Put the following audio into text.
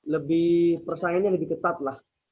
lebih persaingannya lebih ketat lah